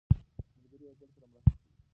ملګري یو بل سره مرسته کوي